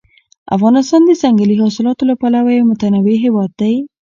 افغانستان د ځنګلي حاصلاتو له پلوه یو متنوع هېواد دی.